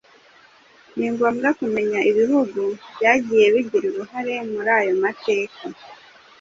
ni ngombwa kumenya ibihugu byagiye bigira uruhare muri ayo mateka,